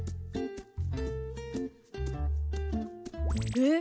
えっ？